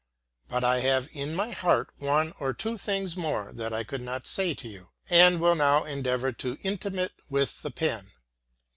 But I have in my heart one or two things more that I could not say to you, and will now endeavor to intimate with the pen.